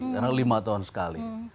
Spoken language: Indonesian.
karena lima tahun sekali